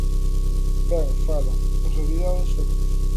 Ben: fala, en realidade, Sócrates.